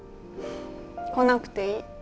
来なくていい。